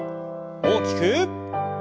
大きく。